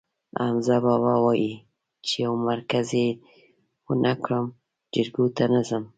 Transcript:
حمزه بابا وایي: چې یو مرگز یې ونه کړم، جرګو ته ځم.